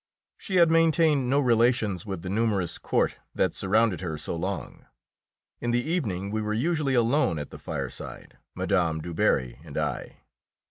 She had maintained no relations with the numerous court that surrounded her so long. In the evening we were usually alone at the fireside, Mme. Du Barry and I.